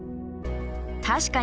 確かに！